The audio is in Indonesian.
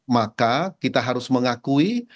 maka kita harus mengakui